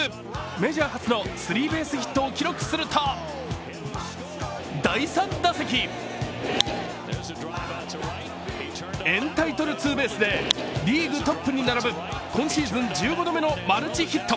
メジャー初のスリーベースヒットを記録すると、第３打席エンタイトルツーベースでリーグトップに並ぶ今シーズン１５度目のマルチヒット。